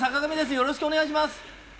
よろしくお願いします。